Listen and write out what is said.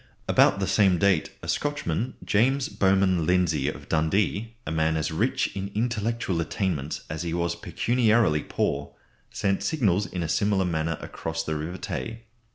About the same date a Scotchman, James Bowman Lindsay of Dundee, a man as rich in intellectual attainments as he was pecuniarily poor, sent signals in a similar manner across the River Tay.